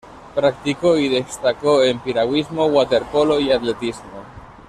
Practicó y destacó en Piragüismo, Waterpolo y Atletismo.